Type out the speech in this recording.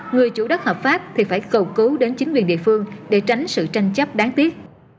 người chủ đất hợp pháp thì phải cầu cứu đến chính quyền địa phương để tránh sự tranh chấp đáng tiếc